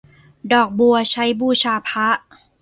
ดอกบัวใช้บูชาพระ